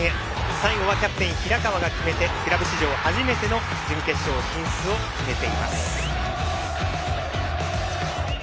最後はキャプテンの平川が決めてクラブ史上初めての準決勝進出を決めています。